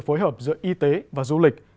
phối hợp giữa y tế và du lịch